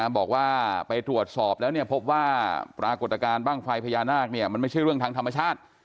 บอกว่าไปตรวจสอบแล้วพบว่าปรากฏการณ์บ้างไฟพญานาคมันไม่ใช่เรื่องทางธรรมชาติ